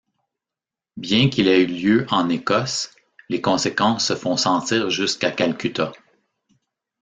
Bien qu’il ait eu lieu en Écosse les conséquences se font sentir jusqu’à Calcutta.